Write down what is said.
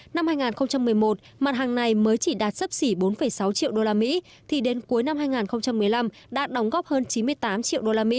năm hai nghìn một mươi một mặt hàng này mới chỉ đạt sấp xỉ bốn sáu triệu usd thì đến cuối năm hai nghìn một mươi năm đã đóng góp hơn chín mươi tám triệu usd